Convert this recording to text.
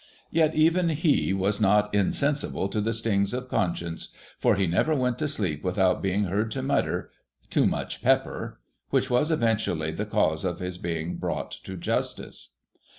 Yet even he was not insensible to the stings of conscience, for he never went to sleep without being heard to mutter, ' Too much pepper !' which was eventually the cause of his being brought to justice.